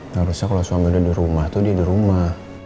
harusnya kalo suami udah dirumah tuh dia dirumah